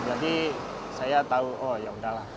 jadi saya tau oh yaudahlah